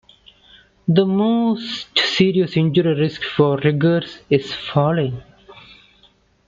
The most serious injury risk for riggers is falling.